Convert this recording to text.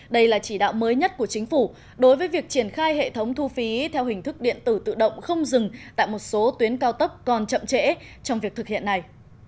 đây là chỉ đạo mới nhất của chính phủ đối với việc triển khai hệ thống thu phí theo hình thức điện tử tự động không dừng tại một số tuyến cao tốc còn chậm trễ trong việc thực hiện này